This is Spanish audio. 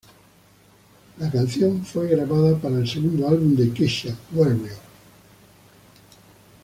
La canción fue grabada para el segundo álbum de Kesha, "Warrior".